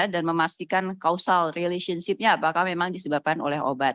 dan memastikan kausal relationship nya apakah memang disebabkan oleh obat